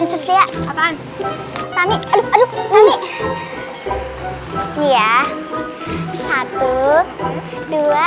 n dzia pak hai kalau ada diminipin sebagai